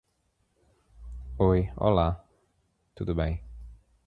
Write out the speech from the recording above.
Oi, olá. Tudo bem.